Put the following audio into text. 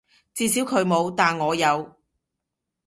至少佢冇，但我有